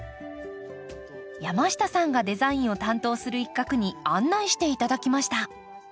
山下さんがデザインを担当する一画に案内して頂きました。